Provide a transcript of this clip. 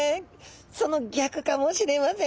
その逆かもしれません。